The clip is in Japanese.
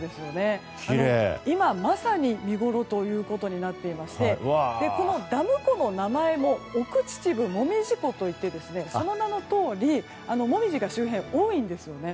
今まさに見ごろということになっていましてダム湖の名前も奥秩父もみじ湖といってその名のとおりモミジが周辺に多いんですよね。